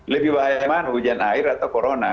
lebih bahaya mana hujan air atau corona